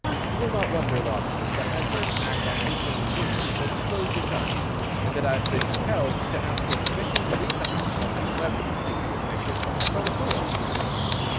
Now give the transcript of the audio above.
You will not wonder, Watson, that my first act on entering your rooms was to close your shutters, and that I have been compelled to ask your permission to leave the house by some less conspicuous exit than the front door."